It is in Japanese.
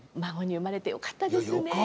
生まれてよかったですね。